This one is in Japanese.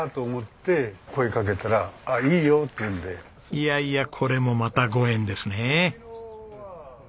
いやいやこれもまたご縁ですね。